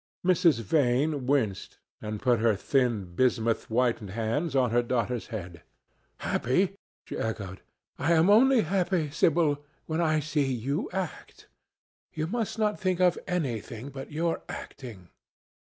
Mrs. Vane winced and put her thin, bismuth whitened hands on her daughter's head. "Happy!" she echoed, "I am only happy, Sibyl, when I see you act. You must not think of anything but your acting.